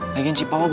lagian si papa banget